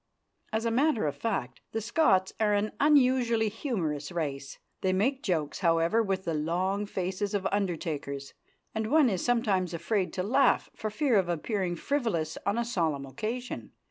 As a matter of fact, the Scots are an unusually humorous race. They make jokes, however, with the long faces of undertakers, and one is sometimes afraid to laugh for fear of appearing frivolous on a solemn occasion.